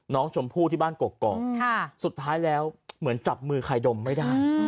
น้องชมพู่ที่บ้านกกอกสุดท้ายแล้วเหมือนจับมือใครดมไม่ได้